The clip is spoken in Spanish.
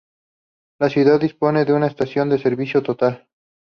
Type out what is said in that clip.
La ciudad dispone de una estación de servicio Total.